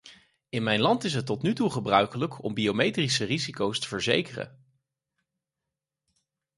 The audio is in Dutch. In mijn land is het tot nu toe gebruikelijk om biometrische risico's te verzekeren.